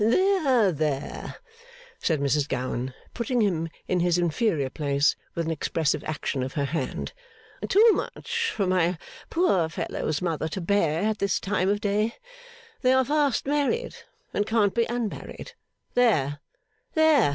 'There, there!' said Mrs Gowan, putting him in his inferior place with an expressive action of her hand. 'Too much for my poor fellow's mother to bear at this time of day. They are fast married, and can't be unmarried. There, there!